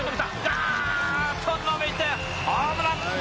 ぐーっと伸びてホームラン。